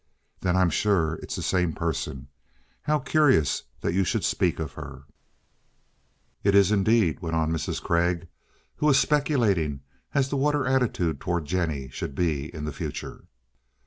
"Then I'm sure it's the same person. How curious that you should speak of her!" "It is, indeed," went on Mrs. Craig, who was speculating as to what her attitude toward Jennie should be in the future.